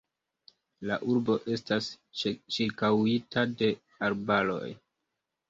La urbo estas ĉirkaŭita de arbaroj.